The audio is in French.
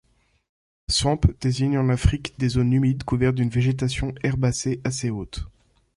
Swamp désigne en Afrique des zones humides couvertes d'une végétation herbacée assez haute.